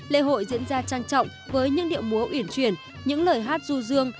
lễ hội diễn ra trang trọng với những điệu múa ủyển chuyển những lời hát ru rương